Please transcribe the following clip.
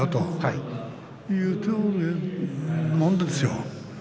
そういうもんですよ。